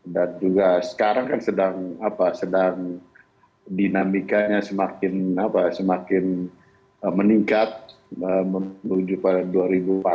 dan juga sekarang kan sedang dinamikanya semakin meningkat menuju pada dua ribu empat